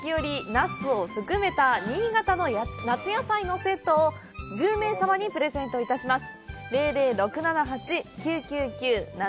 ナスを含めた新潟の夏野菜のセットを１０名様にプレゼントいたします。